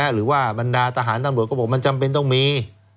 หรือว่าบรรดาทหารตำรวจก็บอกมันจำเป็นต้องมี